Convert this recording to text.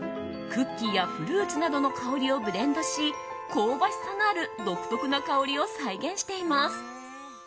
クッキーやフルーツなどの香りをブレンドし香ばしさのある独特な香りを再現しています。